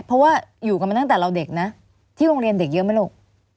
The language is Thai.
เพราะว่าอยู่กันมาตั้งแต่เราเด็กนะที่โรงเรียนเด็กเยอะไหมลูก